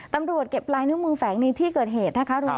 ตำรวจเก็บลายนิ้วมือแฝงในที่เกิดเหตุนะคะ